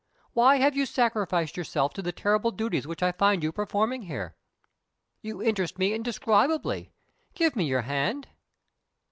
"Why have you sacrificed yourself to the terrible duties which I find you performing here? You interest me indescribably. Give me your hand."